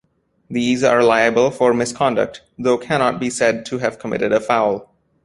These are liable for misconduct, though cannot be said to have committed a foul.